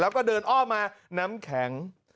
แล้วก็เดินอ้อมมาน้ำแข็ง